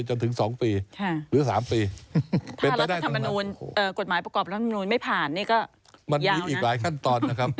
มันมีอีกหลายขั้นตอนนะครับ